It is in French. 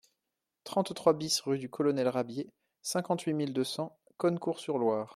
trente-trois BIS rue du Colonel Rabier, cinquante-huit mille deux cents Cosne-Cours-sur-Loire